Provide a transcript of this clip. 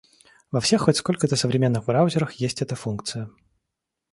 Во всех хоть сколько-то современных браузерах есть эта функция.